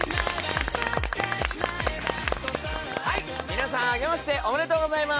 皆さん、あけましておめでとうございます！